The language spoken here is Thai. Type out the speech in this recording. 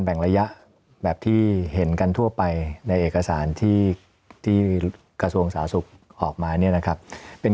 แบ่งระยะแบบที่เห็นกันทั่วไปในเอกสารที่กระทรวงสาธารณสุขออกมาเนี่ยนะครับ